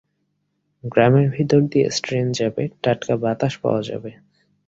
গ্রামের ভেতর দিয়ে স্ট্রেন যাবে, টাটকা বাতাস পাওয়া যাবে।